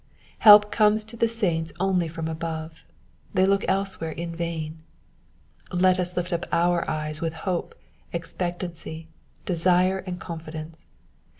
Help comes to saints only from above, they look elsewhere in vain : let us lift up our eyes with hope, expectancy, desire, and confidence.